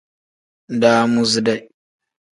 Daamuside.